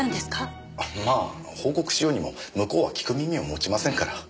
まあ報告しようにも向こうは聞く耳を持ちませんから。